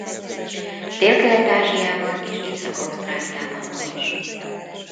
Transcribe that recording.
Délkelet-Ázsiában és Észak-Ausztráliában honos.